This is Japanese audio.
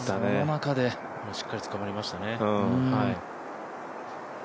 しっかりつかまりましたね。